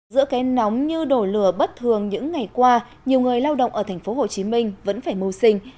giữa cái nóng như đổ lửa bất thường những ngày qua nhiều người lao động ở tp hcm vẫn phải mưu sinh